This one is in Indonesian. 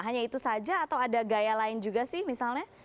hanya itu saja atau ada gaya lain juga sih misalnya